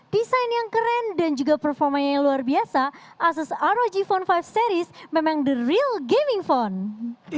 desain yang keren dan juga performanya yang luar biasa asus rog phone lima series memang the real gaming phone